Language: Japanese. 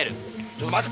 ちょっと待て。